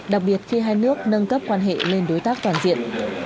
đặc biệt khi hai nước nâng cấp quan hệ lên đối tác toàn diện